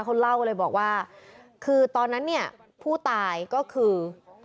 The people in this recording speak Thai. เขาเล่าเลยบอกว่าคือตอนนั้นเนี่ยผู้ตายก็คือ